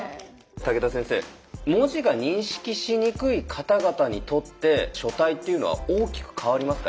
竹田先生文字が認識しにくい方々にとって書体っていうのは大きく変わりますか？